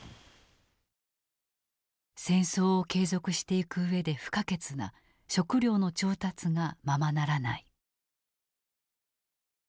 戦争を継続していく上で不可欠な食糧の調達がままならない。